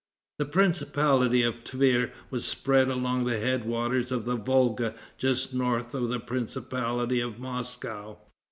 The principality of the Tver was spread along the head waters of the Volga, just north of the principality of Moscow.